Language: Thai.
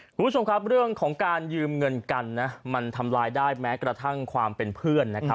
คุณผู้ชมครับเรื่องของการยืมเงินกันนะมันทำลายได้แม้กระทั่งความเป็นเพื่อนนะครับ